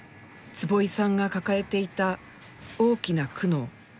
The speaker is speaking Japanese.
坪井さんが抱えていた大きな苦悩。